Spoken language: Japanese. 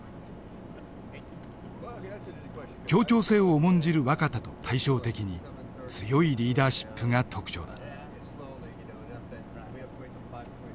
協調性を重んじる若田と対照的に強いリーダーシップが特徴だ。